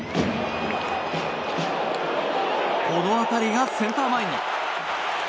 この当たりがセンター前に。